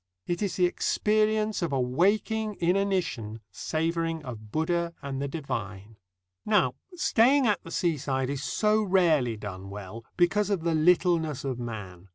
It is the experience of a waking inanition savouring of Buddha and the divine. Now, staying at the seaside is so rarely done well, because of the littleness of man.